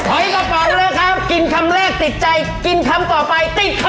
กระเป๋าเลยครับกินคำแรกติดใจกินคำต่อไปติดคำ